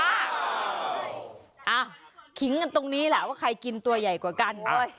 อ้าวขิงกันตรงนี้แหละว่าใครกินตัวใหญ่กว่ากันเว้ย